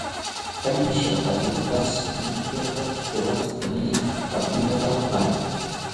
Ari noshewotakiro kipatzi, nomonkiaki owatzi kaniri apintaka apani